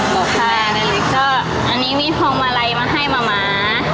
บอกว่าแล้วอันนี้มีทองมาลัยมาให้มะม้า